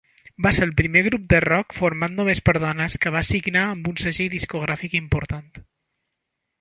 Va ser el primer grup de rock format només per dones que va signar amb un segell discogràfic important.